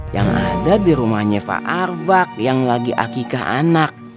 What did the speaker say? yang ada di rumahnya pak arfak yang lagi akikah anak